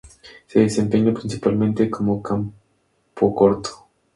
Se desempeña principalmente como campocorto.